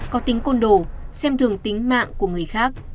có tính côn đồ xem thường tính mạng của người khác